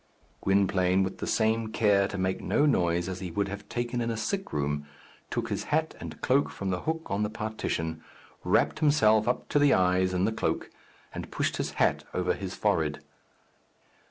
Gwynplaine, with the same care to make no noise as he would have taken in a sickroom, took his hat and cloak from the hook on the partition, wrapped himself up to the eyes in the cloak, and pushed his hat over his forehead.